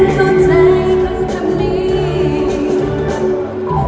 จะรักเธอไปไม่นาน